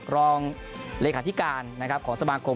รองเลยเห้อขาดที่การของสมามคม